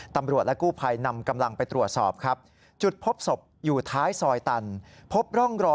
ตำรวจและกู้ภัยนำกำลังไปตรวจสอบครับ